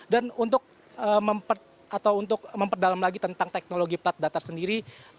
dan untuk memperdalam lagi tentang teknologi plat datar sendiri